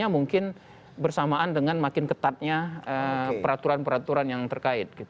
mungkin bersamaan dengan makin ketatnya peraturan peraturan yang terkait